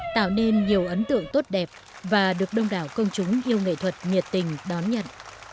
tạo nên nhiều ấn tượng tốt đẹp và được đông đảo công chúng yêu nghệ thuật nhiệt tình đón nhận